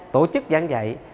tổ chức giảng dạy